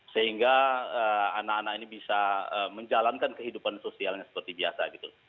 sehingga anak anak ini bisa menjalankan kehidupan sosialnya seperti biasa gitu